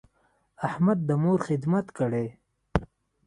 احمد د مور خدمت کړی.